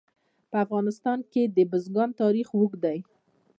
په افغانستان کې د بزګان تاریخ اوږد دی.